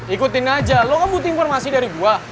ikutin aja lo nggak butuh informasi dari gua